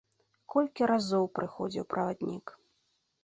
Колькі разоў прыходзіў праваднік.